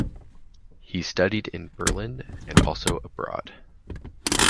He studied in Berlin and also abroad.